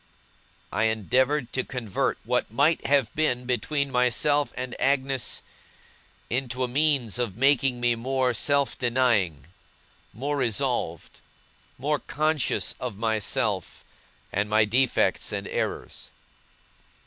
I endeavoured to convert what might have been between myself and Agnes, into a means of making me more self denying, more resolved, more conscious of myself, and my defects and errors.